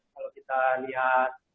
kalau kita lihat